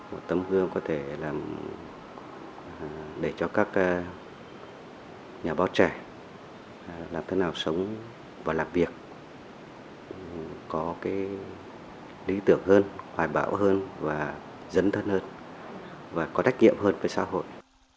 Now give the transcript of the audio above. một tấm gương có thể là để cho các nhà báo trẻ làm thế nào sống và làm việc có cái lý tưởng hơn hoài bão hơn và dấn thân hơn và có trách nhiệm hơn với xã hội